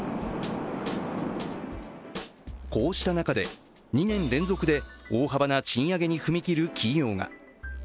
こうした中で２年連続で大幅な賃上げに踏み切る企業が。